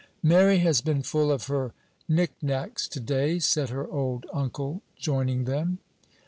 "Mary has been full of her knickknacks to day," said her old uncle, joining them.